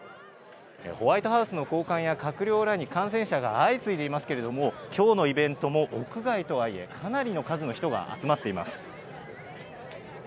ホワイトハウスの高官や閣僚らに感染者が相次いでいますけれども、きょうのイベントも屋外とはいえ、かなりの数の人が集まっています。